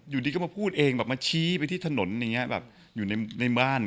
อยู่ดีก็มาพูดเองมาชี้ไปที่ถนนอยู่ในบ้าน